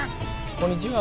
こんにちは。